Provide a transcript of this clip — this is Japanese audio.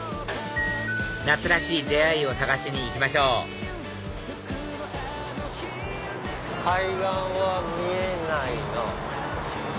夏らしい出会いを探しに行きましょう海岸は見えないなぁ。